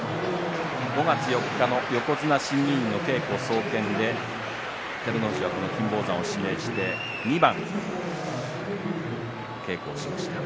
５月４日の横綱審議委員の稽古総見で照ノ富士はこの金峰山を指名して２番稽古をしました。